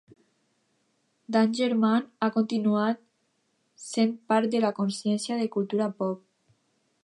"Danger Man" ha continuat sent part de la consciència de la cultura pop.